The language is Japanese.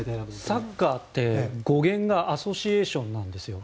サッカーって語源がアソシエーションなんですよ。